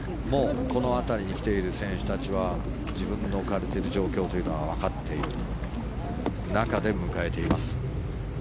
もうこの辺りに来ている選手たちは自分の置かれている状況というのはわかっている中で迎えています。